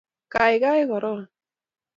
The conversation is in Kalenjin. Kaigai karoon